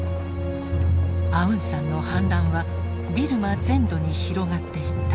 アウンサンの反乱はビルマ全土に広がっていった。